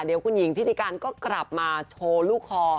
เดี๋ยวคุณหญิงทิติการก็กลับมาโชว์ลูกคอ